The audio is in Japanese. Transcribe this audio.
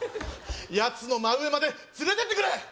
やつの真上まで連れてってくれ！